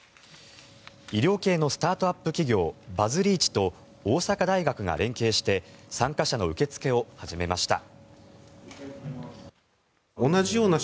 医療系のスタートアップ企業バズリーチと大阪大学が連携して参加者の受け付けを始めました。